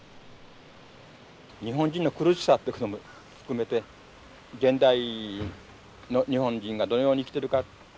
日本人の苦しさってことも含めて現代の日本人がどのように生きてるか。